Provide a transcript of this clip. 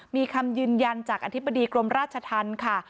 มีคำยืนยันจากอธิบดีกรมราชธรรมค่ะ